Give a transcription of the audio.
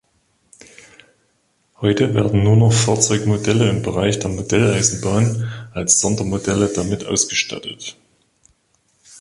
Heute werden nur noch Fahrzeugmodelle im Bereich der Modelleisenbahn als Sondermodelle damit ausgestattet.